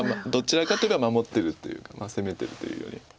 どちらかというと守ってるというか攻めてるというより。